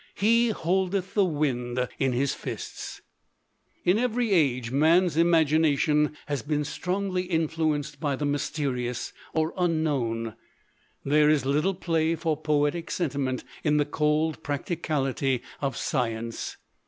"He holdeth the wind in his fists." In every age man's imagination has been strongly influenced by the mysterious or unknown. There is little play for poetic sentiment in the cold practicality of science.